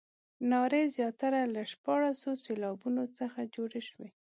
نارې زیاتره له شپاړسو سېلابونو څخه جوړې شوې.